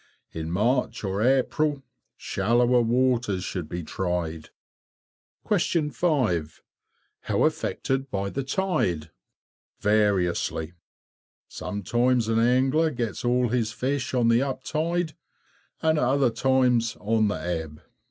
In March or April shallower waters should be tried. 5. How affected by the tide? Variously. Sometimes an angler gets all his fish on the up tide, and at other times on the ebb.